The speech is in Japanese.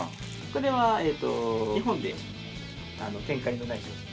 これは日本で展開のない商品。